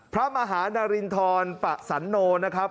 พระมหานารินทรปะสันโนนะครับ